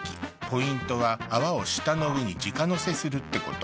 ポイントは泡を舌の上に直のせするってこと。